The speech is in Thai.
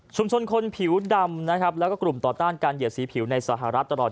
ชุมชนคนผิวดำและกลุ่มต่อต้านการเหยียดสีผิวในสหรัฐตลอด